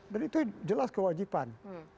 dan itu jelas kewajiban